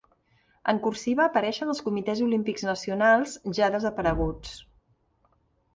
En cursiva apareixen els comitès olímpics nacionals ja desapareguts.